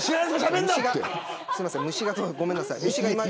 すいません虫が、ごめんなさい。